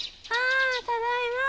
あただいま。